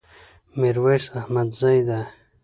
ميرويس احمدزي ده